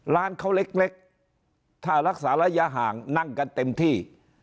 ร้านเขาเล็กถ้ารักษาระยะห่างนั่งกันเต็มที่